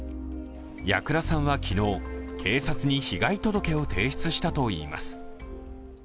矢倉さんは昨日、警察に被害届を提出したといいます。